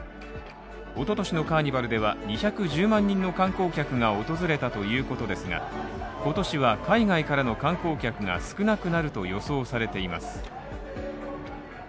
一昨年のカーニバルでは、２１０万人の観光客が訪れたということですが今年は海外からの観光客が少なくなると予想されています。